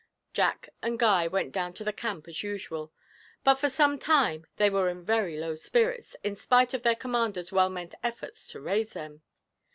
Jack and Guy went down to the camp as usual, but for some time they were in very low spirits, in spite of their commander's well meant efforts to raise them.